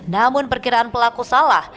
namun perkiraan pelaku salah